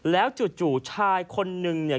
แล้วจู่ชายคนนึงเนี่ย